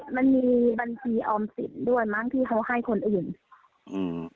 มันมีบัญชีออมสินด้วยมั้งที่เขาให้คนอื่นอืม